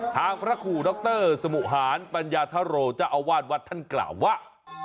พระครูดรสมุหารปัญญาธโรเจ้าอาวาสวัดท่านกล่าวว่า